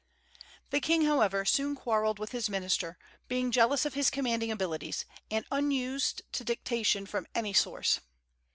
The king, however, soon quarrelled with his minister, being jealous of his commanding abilities, and unused to dictation from any source.